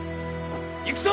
行くぞ！